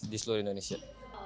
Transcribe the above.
di seluruh indonesia